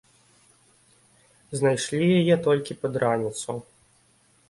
Знайшлі яе толькі пад раніцу.